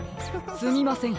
すみません